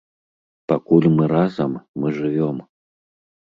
Пакуль мы разам, мы жывём!